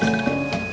arti u nk ingat